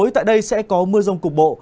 tại đây sẽ có mưa rông cục bộ